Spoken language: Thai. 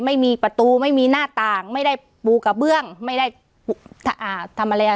ไม่มีประตูไม่มีหน้าต่างไม่ได้ปูกระเบื้องไม่ได้อ่าทำอะไรอ่ะ